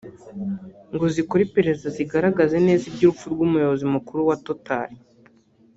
ngo zikore iperereza zigaragaze neza iby’urupfu rw’Umuyobozi mukuru wa Total